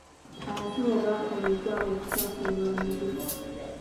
Abasawo baakola ogwabwe okutaasa obulamu bwe.